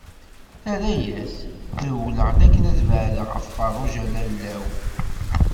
Terra-as: Rewleɣ-d akken ad beɛdeɣ ɣef Feṛṛuǧa, lalla-w.